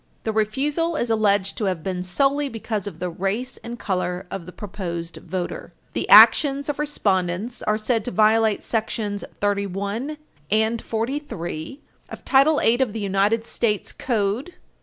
The refusal is alleged to have been solely because of the race and color of the proposed voter. The actions of respondents are said to violate §§ 31 and 43 of Title 8 [Footnote 1] of the United States Code, 8 U.